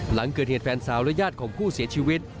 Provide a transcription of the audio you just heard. หลังเกิดเหตุแฟนสาวและญาติของผู้เสียชีวิต